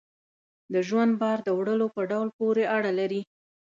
د ژوند بار د وړلو په ډول پورې اړه لري.